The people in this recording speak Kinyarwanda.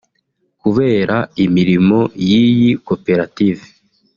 Kubera imirimo y’iyi koperative